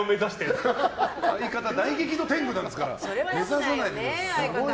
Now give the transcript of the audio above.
相方大激怒天狗ですから目指さないでください。